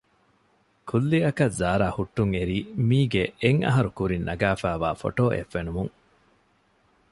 ކުއްލިއަކަށް ޒާރާ ހުއްޓުން އެރީ މީގެ އެއްހަރު ކުރިން ނަގާފައިވާ ފޮޓޯއެއް ފެނުމުން